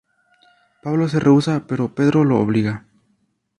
Pablo se rehúsa pero Pedro lo obliga.